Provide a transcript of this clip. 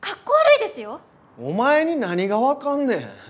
お前に何が分かんねん！